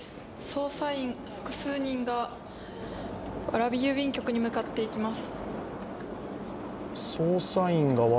捜査員複数人が蕨郵便局に向かっていきます。